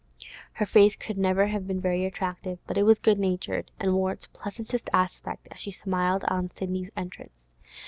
Her face could never have been very attractive, but it was good natured, and wore its pleasantest aspect as she smiled on Sidney's entrance.